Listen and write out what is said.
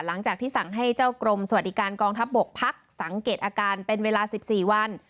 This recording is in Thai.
หลังจากที่สั่งให้เจ้ากรมสวัสดิการกองทัพบกพักสังเกตอาการเป็นเวลา๑๔วัน